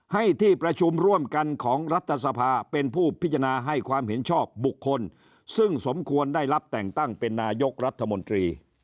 ให้ที่ประชุมร่วมกันของรัฐสภาเป็นผู้พิจารณาให้ความเห็นชอบบุคคลซึ่งสมควรได้รับแต่งตั้งเป็นนายกรัฐมนตรี